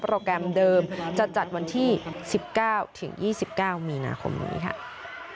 แกรมเดิมจะจัดวันที่๑๙ถึง๒๙มีนาคมนี้ค่ะ